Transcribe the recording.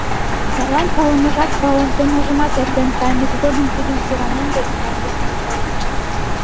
Садлан палымыжат, палыдымыжат эртен кайымышт годым тудым кӧранен да ӧрмалген ончалыт.